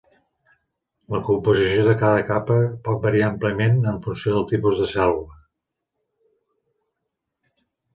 La composició de cada capa pot variar àmpliament en funció del tipus de cèl·lula.